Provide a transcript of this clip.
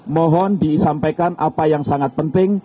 mohon disampaikan apa yang sangat penting